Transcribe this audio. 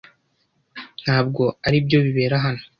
Ntabwo aribyo bibera hano.